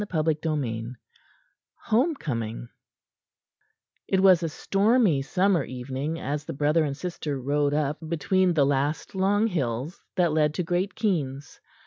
CHAPTER III HOME COMING It was a stormy summer evening as the brother and sister rode up between the last long hills that led to Great Keynes.